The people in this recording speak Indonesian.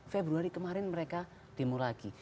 februari kemarin mereka demo lagi